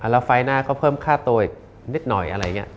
แล้วไฟล์หน้าก็เพิ่มค่าตัวอีกนิดหน่อยอะไรอย่างนี้